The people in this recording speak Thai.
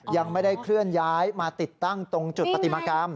ยังไม่ได้เคลื่อนย้ายมาติดตั้งตรงจุดปฏิมากรรม